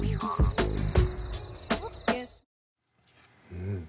うん。